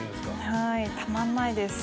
はいたまんないです。